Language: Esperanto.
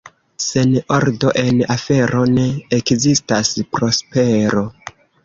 Sen ordo en afero ne ekzistas prospero.